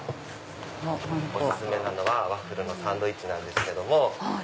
お薦めはワッフルのサンドイッチなんですけども。